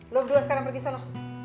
lo berdua sekarang pergi sana